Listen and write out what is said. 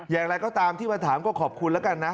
อย่างไรก็ตามที่มาถามก็ขอบคุณแล้วกันนะ